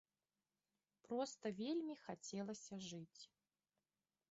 Проста вельмі хацелася жыць.